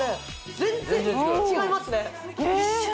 全然違いますねえ